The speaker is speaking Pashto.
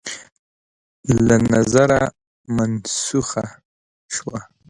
له نظره منسوخه شوه